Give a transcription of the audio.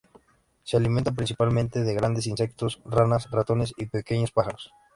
Se alimenta principalmente de grandes insectos, ranas, ratones y pequeños pájaros.